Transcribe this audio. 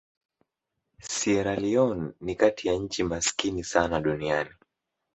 Sierra Leone ni kati ya nchi maskini sana duniani.